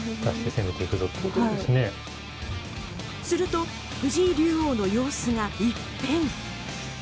すると、藤井竜王の様子が一変。